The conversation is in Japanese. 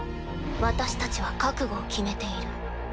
私たちは覚悟を決めている。